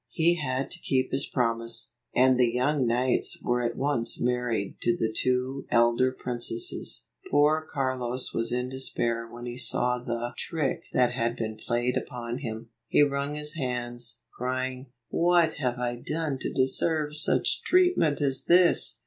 He had to keep his promise, and the young knights were at once married to the two elder princesses. Poor Carlos was in despair when he saw the 152 trick that had been played upon him. He wrung his hands, crying, "What have I done to deserve such treatment as this